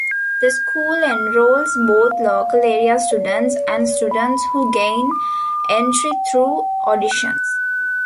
The school enrolls both local area students and students who gain entry through auditions.